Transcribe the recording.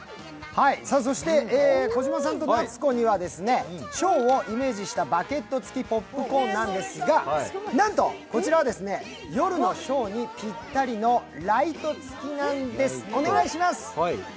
そして、児嶋さんと夏子にはショーをイメージしたバゲット付きポップコーンなんですが、なんとこちらは夜のショーにぴったりのライト付きなんです。